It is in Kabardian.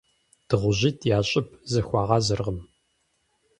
Дыгъужьитӏ я щӏыб зэхуагъазэркъым.